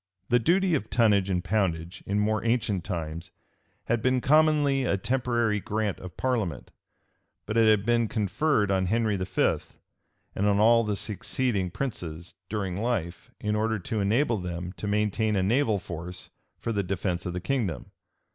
The duty of tonnage and poundage, in more ancient times, had been commonly a temporary grant of parliament; but it had been conferred on Henry V., and all the succeeding princes, during life, in order to enable them to maintain a naval force for the defence of the kingdom.